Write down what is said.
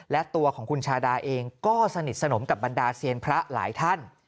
และตัวของคุณชาดาเองก็สนิทสนมกับบรรดาเซียนพระหลายท่าน